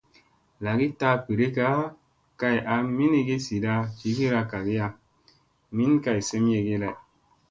Lagi taa birikka kay a minigi zida jivira kagiya, min kay semeyegi lay.